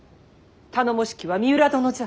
頼もしきは三浦殿じゃ。